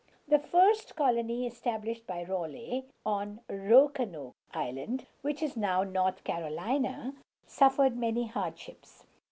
The first colony established by Raleigh, on Ro a noke´ Island, in what is now North Carolina, suffered many hardships.